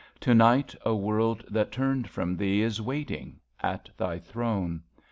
To night a world that turned from Thee Is waiting — ^at Thy Throne.